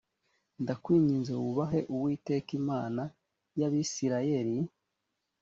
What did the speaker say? ndakwinginze wubahe uwiteka imana y abisirayeli